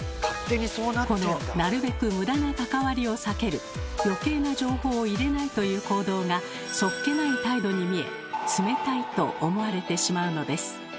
この「なるべくムダな関わりを避ける」「よけいな情報を入れない」という行動がそっけない態度に見え「冷たい」と思われてしまうのです。